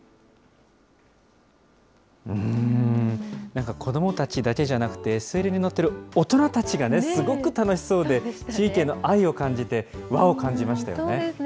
なんか、子どもたちだけじゃなくて、ＳＬに乗っている大人たちがすごく楽しそうで、地域への愛を感じそうですね。